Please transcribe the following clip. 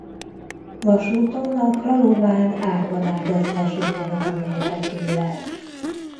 Vasúton a Kralován–Árvanádasd-vasútvonalon érhető el.